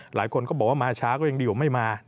หลายคนก็บอกว่ามาช้าก็ยังดีกว่าไม่มา